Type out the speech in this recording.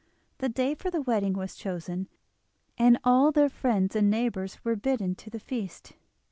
The day for the wedding was chosen, and all their friends and neighbours were bidden to the feast.